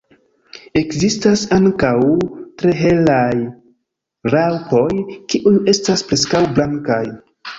Ekzistas ankaŭ tre helaj raŭpoj, kiuj estas preskaŭ blankaj.